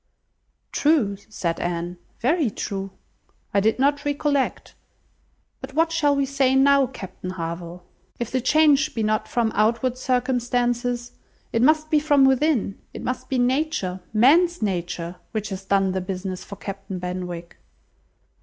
"True," said Anne, "very true; I did not recollect; but what shall we say now, Captain Harville? If the change be not from outward circumstances, it must be from within; it must be nature, man's nature, which has done the business for Captain Benwick."